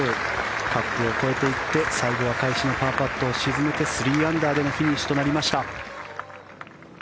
カップを越えていって最後は返しのパーパットを沈めて３アンダーでのフィニッシュとなりました。